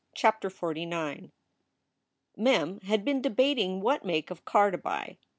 CHAPTER XLIX MEM had been debating what make of car to buy.